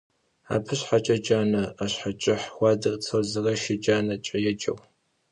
Абы щхьэкӏэ джанэ ӏэщхьэкӏыхь хуадырт, «Созэрэщ и джанэкӏэ» еджэу .